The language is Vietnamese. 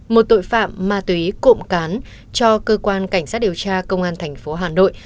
một tội phạm ma túy cộng cán cho cơ quan cảnh sát điều tra công an thành phố hà nội